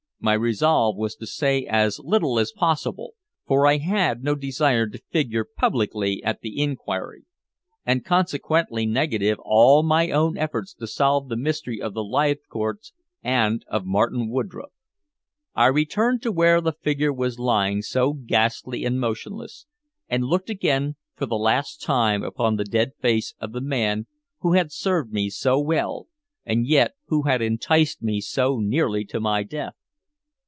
My resolve was to say as little as possible, for I had no desire to figure publicly at the inquiry, and consequently negative all my own efforts to solve the mystery of the Leithcourts and of Martin Woodroffe. I returned to where the figure was lying so ghastly and motionless, and looked again for the last time upon the dead face of the man who had served me so well, and yet who had enticed me so nearly to my death.